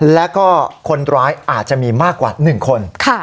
แล้วก็คนร้ายอาจจะมีมากกว่า๑คน